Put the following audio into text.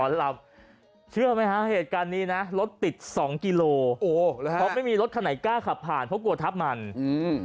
เชื่อไหมฮะเหตุการณ์นี้นะรถติดสองกิโลโอ้เพราะไม่มีรถคันไหนกล้าขับผ่านเพราะกลัวทับมันอืม